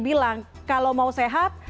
bilang kalau mau sehat